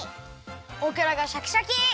オクラがシャキシャキ！